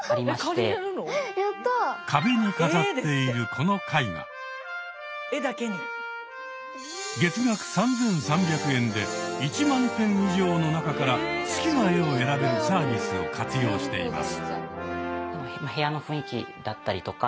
壁に飾っているこの絵画月額３，３００円で１万点以上の中から好きな絵を選べるサービスを活用しています。